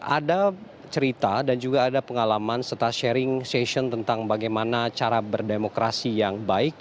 ada cerita dan juga ada pengalaman serta sharing session tentang bagaimana cara berdemokrasi yang baik